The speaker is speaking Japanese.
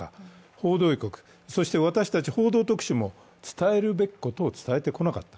報道局、そして私たち「報道特集」も伝えるべきことを伝えてこなかった。